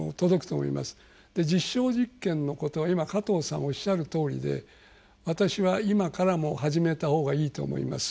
実証実験のこと今加藤さんおっしゃるとおりで私は今からもう始めたほうがいいと思います。